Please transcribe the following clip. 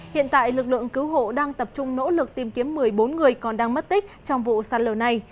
hiện tại lực lượng cứu hộ đang tập trung nỗ lực tìm kiếm một mươi bốn người còn đang mất tích trong vụ sạt lở này